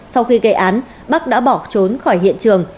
sau khi gây án bắc đã bỏ trốn khỏi hiện trường